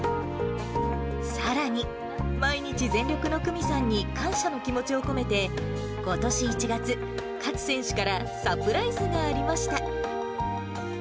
さらに、毎日全力の久美さんに感謝の気持ちを込めて、ことし１月、勝選手からサプライズがありました。